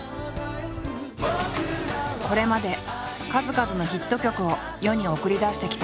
これまで数々のヒット曲を世に送り出してきた。